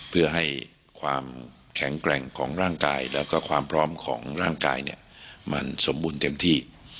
เพื่อให้ความแข็งแกร่งของร่างกายแล้วก็ความพร้อมของร่างกายเนี่ยมันสมบูรณ์เต็มที่